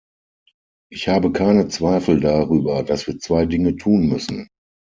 Ich habe keine Zweifel darüber, dass wir zwei Dinge tun müssen.